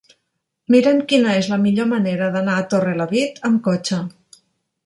Mira'm quina és la millor manera d'anar a Torrelavit amb cotxe.